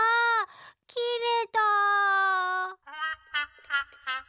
きれた！